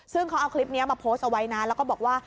ซึ่งเขาเอาคลิปนี้มาโพสต์เอาไว้นะแล้วก็บอกว่า